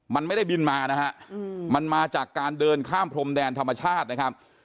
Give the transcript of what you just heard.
มันไม่ได้บินมานะฮะมันมาจากการเดินข้ามพรมแดนธรรมชาตินะครับ